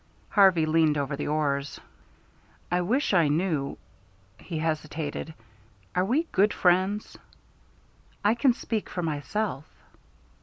Harvey leaned over the oars. "I wish I knew " he hesitated. "Are we good friends?" "I can speak for myself."